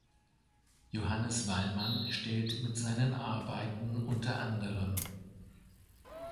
Johannes Wallmann stellt mit seinen Arbeiten unter anderem.